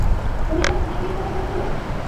উনি তার নিজের বিয়ের কথা বলছিলো?